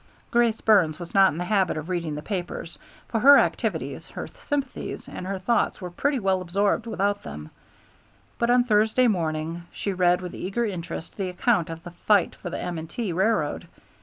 Grace Burns was not in the habit of reading the papers, for her activities, her sympathies, and her thoughts were pretty well absorbed without them, but on Thursday morning she read with eager interest the account of the fight for the M. & T. railroad.